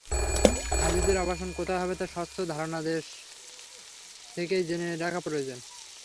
হাজিদের আবাসন কোথায় হবে তার স্বচ্ছ ধারণা দেশ থেকেই জেনে রাখা প্রয়োজন।